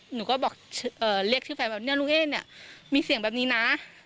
หนูก็บอกเรียกชื่อแฟนว่าเนี่ยลุงเอ๊เนี่ยมีเสียงแบบนี้นะ